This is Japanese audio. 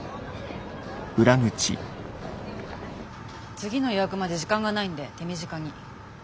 次の予約まで時間ないんで手短に。